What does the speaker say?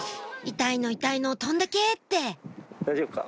痛いの痛いの飛んでけ！って大丈夫か？